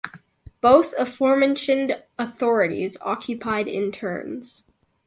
Both aforementioned authorities occupied in turns.